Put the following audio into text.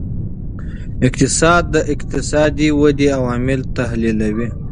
اقتصاد د اقتصادي ودې عوامل تحلیلوي.